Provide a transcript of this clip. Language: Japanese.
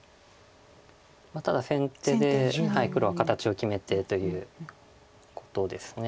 ただ先手で黒は形を決めてということです。